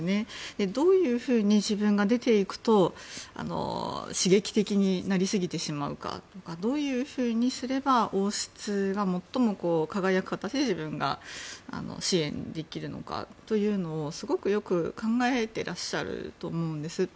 どういうふうに自分が出ていくと刺激的になりすぎてしまうかどういうふうにすれば王室が最も輝く形で自分が支援できるのかというのをすごくよく考えていらっしゃると思うんです。